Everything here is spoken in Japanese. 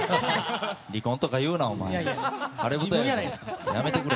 離婚とか言うな！